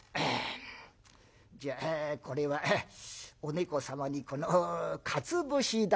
「じゃあこれはお猫様にこのかつ節代」。